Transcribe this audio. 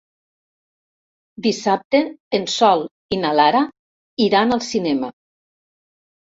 Dissabte en Sol i na Lara iran al cinema.